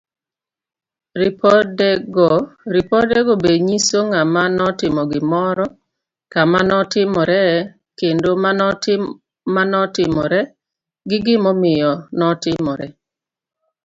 Ripodego be nyiso ng'ama notimo gimoro, kama notimree, kinde manotimore, gi gimomiyo notimore.